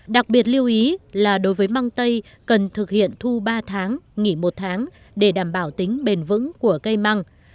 đặc biệt lưu ý là đối với măng tây cần thực hiện thu ba tháng nghỉ một tháng để đảm bảo tính bền vững của cây măng